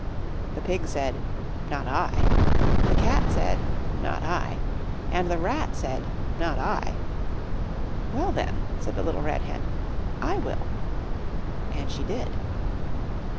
The Pig said, "Not I," the Cat said, "Not I," and the Rat said, "Not I." "Well, then," said the Little Red Hen, "I will." And she did.